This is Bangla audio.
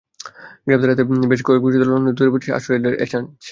গ্রেপ্তার এড়াতে বেশ কয়েক বছর ধরে লন্ডনে দেশটির দূতাবাসের আশ্রয়ে রয়েছেন অ্যাসাঞ্জ।